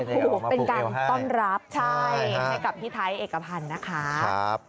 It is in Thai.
เอามาปลูกเป็นการต้อนรับให้กับพี่ไทท์เอกพันธ์นะคะใช่